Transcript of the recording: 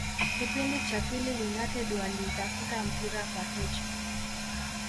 Kipindi cha pili United waliutafuta mpira kwa tochi